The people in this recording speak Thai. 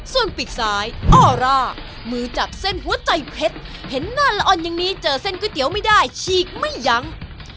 ส่วนปีกซ้ายออร่ามือจับเส้นหัวใจเพชรเห็นหน้าละออนอย่างนี้เจอเส้นก๋วยเตี๋ยวไม่ได้ฉีกไม่ยั้ง